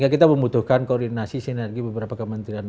kita membutuhkan koordinasi sinergi beberapa kementerian